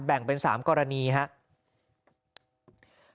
แบ่งเป็น๓กรณีครับ